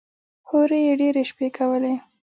هورې يې ډېرې شپې کولې.